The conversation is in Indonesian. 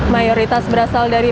mayoritas berasal dari